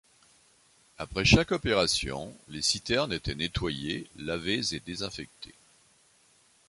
Après chaque opération, les citernes étaient nettoyées, lavées et désinfectées.